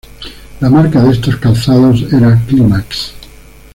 La marca de estos calzados era "Climax".